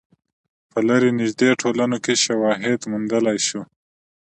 په لرې نژدې ټولنو کې شواهد موندلای شو.